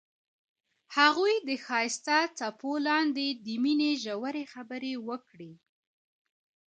هغوی د ښایسته څپو لاندې د مینې ژورې خبرې وکړې.